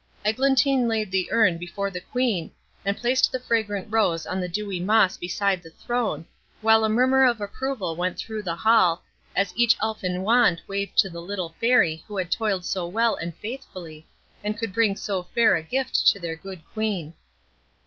Eglantine laid the urn before the Queen, and placed the fragrant rose on the dewy moss beside the throne, while a murmur of approval went through the hall, as each elfin wand waved to the little Fairy who had toiled so well and faithfully, and could bring so fair a gift to their good Queen.